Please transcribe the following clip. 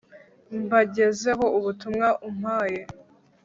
mbagezeho ubutumwa umpaye